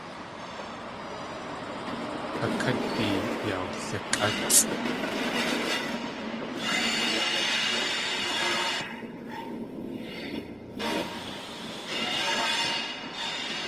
A kádi yalikʼátsʼ.